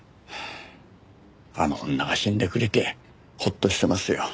あの女が死んでくれてホッとしてますよ。